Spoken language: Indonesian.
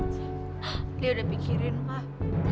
dia udah pikirin pak